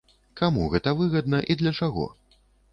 Каму гэта выгадна і для чаго?